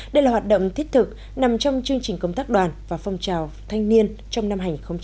đây là hoạt động thiết thực nằm trong chương trình công tác đoàn và phong trào thanh niên trong năm hai nghìn hai mươi